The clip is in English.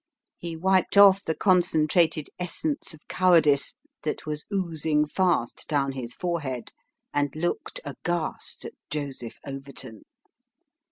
He wiped off the concentrated essence of cowardice that was oozing fast down his forehead, and looked aghast at Joseph Overton.